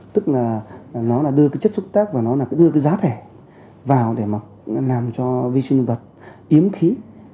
tức là nó là đưa cái chất xúc tác và nó là đưa cái giá thẻ vào để mà làm cho vi sinh vật yếm khí